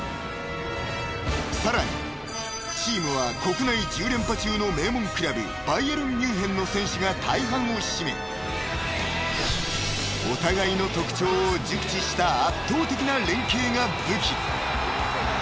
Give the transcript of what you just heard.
［さらにチームは国内１０連覇中の名門クラブバイエルン・ミュンヘンの選手が大半を占めお互いの特徴を熟知した圧倒的な連携が武器］